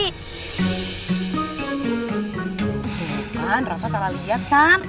iya kan raffa salah liat kan